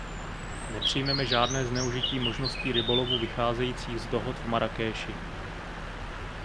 Nepřijmeme žádné zneužití možností rybolovu vycházejících z dohod v Marrakéši.